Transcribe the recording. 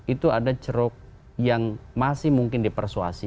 itu ada ceruk yang masih mungkin dipersuasi